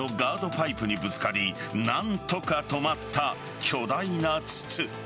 パイプにぶつかり何とか止まった巨大な筒。